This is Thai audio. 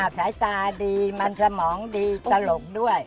สายตาดีมันสมองดีตลกด้วย